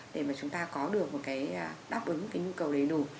để mà chúng ta có được một cái đáp ứng cái nhu cầu đầy đủ